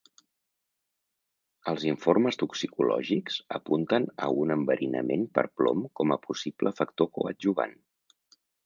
Els informes toxicològics apunten a un enverinament per plom com a possible factor coadjuvant.